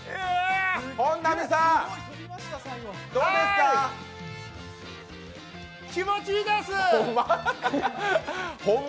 本並さん、どうですか？